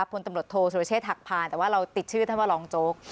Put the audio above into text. พลตำรวจโทษสุรเชษฐหักพานแต่ว่าเราติดชื่อท่านว่ารองโจ๊ก